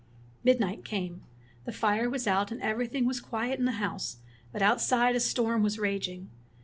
Midnight came. The fire was out, and everything was quiet in the house, but out side a storm was raging.